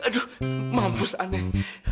aduh mampus aneh